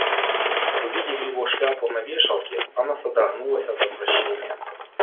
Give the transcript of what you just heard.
Увидав его шляпу на вешалке, она содрогнулась от отвращения.